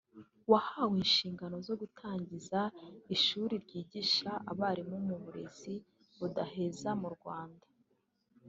wahawe inshingano zo gutangiza ishuri ryigisha abarimu mu burezi budaheza mu Rwanda